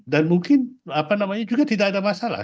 dan mungkin juga tidak ada masalah